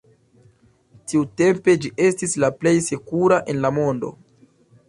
Tiutempe ĝi estis la plej sekura en la mondo.